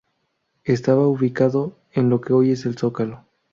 Estaba ubicado en lo que hoy es el "Zócalo".